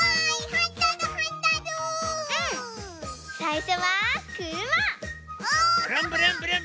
はい。